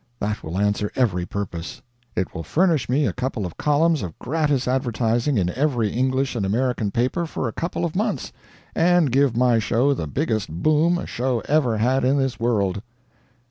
That will answer every purpose. It will furnish me a couple of columns of gratis advertising in every English and American paper for a couple of months, and give my show the biggest boom a show ever had in this world."